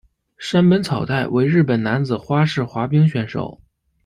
山本草太为日本男子花式滑冰选手。